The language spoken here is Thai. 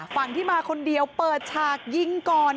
ฝั่งที่มาคนเดียวเปิดฉากยิงก่อน